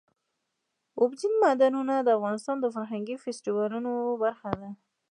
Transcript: اوبزین معدنونه د افغانستان د فرهنګي فستیوالونو برخه ده.